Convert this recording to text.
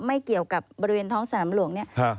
ไม่เกี่ยวกับบริเวณท้องสนามหลวงเนี่ย